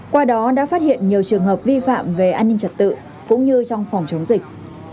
qua đó đã phát hiện nhiều trường hợp vi phạm về an ninh trật tự cũng như trong phòng chống dịch